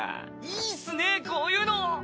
いいっすねこういうの！